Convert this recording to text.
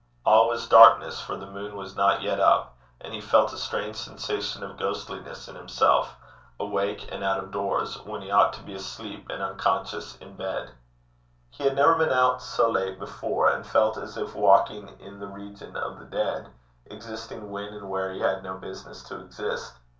All was darkness, for the moon was not yet up, and he felt a strange sensation of ghostliness in himself awake and out of doors, when he ought to be asleep and unconscious in bed. He had never been out so late before, and felt as if walking in the region of the dead, existing when and where he had no business to exist.